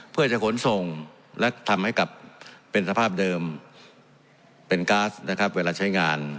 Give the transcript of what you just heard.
เพื่อจะขนส่งและทำให้กลับเป็นสภาพเดิมเป็นก๊าซนะครับเวลาใช้งาน